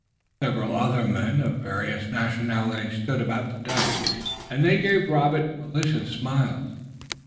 Several other men of various nationalities stood about the deck, and they gave Robert malicious smiles.